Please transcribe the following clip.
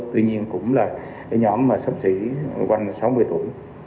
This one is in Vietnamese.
tuy nhiên cũng là cái nhóm mà sắp xỉ quanh sáu mươi tuổi